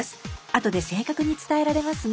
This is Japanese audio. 後で正確に伝えられますね。